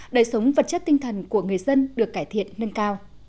đời sống vật chất tinh thần của người dân được cải thiện nâng cao